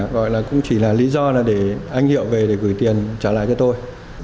gọi là cũng chỉ là lý do là để anh hiệu về để gửi tiền trả lại cho tôi